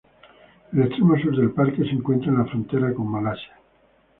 El extremo sur del parque se encuentra en la frontera con Malasia.